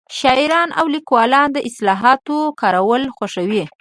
شاعران او لیکوالان د اصطلاحاتو کارول خوښوي